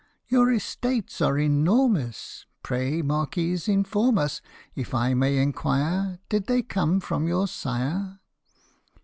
" Your estates are enormous Pray, Marquis, inform us, If I may inquire, Did they come from your sire